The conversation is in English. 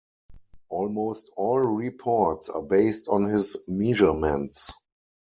Almost all reports are based on his measurements.